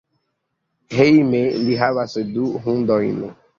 Hejme li havas du hundojn.